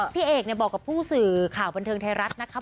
พี่เอกบอกกับผู้สื่อข่าวบันเทิงไทยรัฐนะคะ